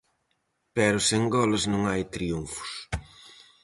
Pero sen goles non hai triunfos.